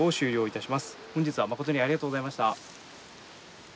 本日は誠にありがとうございました。